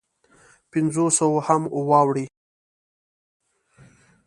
پنځو سوو هم واوړي.